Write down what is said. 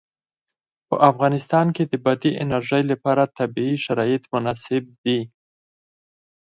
په افغانستان کې د بادي انرژي لپاره طبیعي شرایط مناسب دي.